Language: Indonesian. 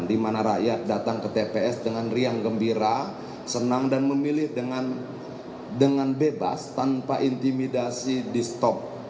di mana rakyat datang ke tps dengan riang gembira senang dan memilih dengan bebas tanpa intimidasi di stop